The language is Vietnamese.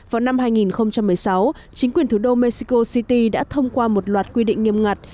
vào năm hai nghìn một mươi sáu chính quyền thủ đô mexico city đã thông qua một loạt quy định nghiêm ngặt